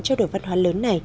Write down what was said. cho đội văn hóa lớn này